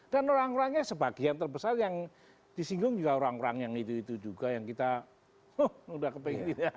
dan orang orangnya sebagian terbesar yang disinggung juga orang orang yang itu itu juga yang kita udah kepengen gitu